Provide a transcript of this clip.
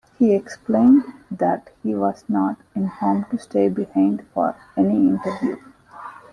He explained that he was not informed to stay behind for any interview.